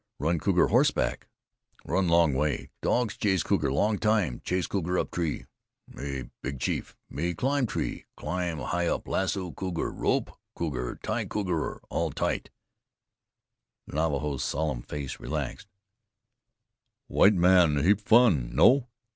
"Run cougar horseback run long way dogs chase cougar long time chase cougar up tree! Me big chief me climb tree climb high up lasso cougar rope cougar tie cougar all tight." The Navajo's solemn face relaxed "White man heap fun. No."